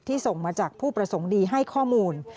ส่งมาจากผู้ประสงค์ดีให้ข้อมูล